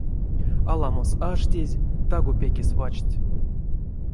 Аламос аштезь, таго пекест вачсть.